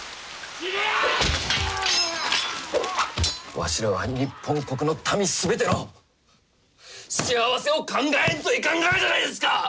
わしらは日本国の民すべての幸せを考えんといかんがらじゃないですか！